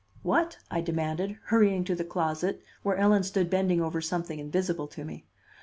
"What?" I demanded, hurrying to the closet, where Ellen stood bending over something invisible to me.